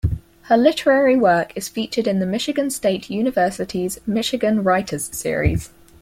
Her literary work is featured in the Michigan State University's Michigan Writers Series.